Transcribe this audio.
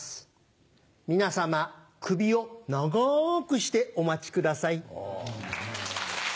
皆様首を長くしてお待ち下さい。